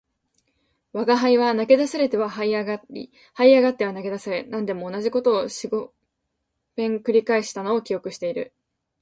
吾輩は投げ出されては這い上り、這い上っては投げ出され、何でも同じ事を四五遍繰り返したのを記憶している